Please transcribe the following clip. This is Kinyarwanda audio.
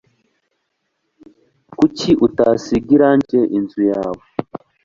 Kuki utasiga irangi inzu yawe?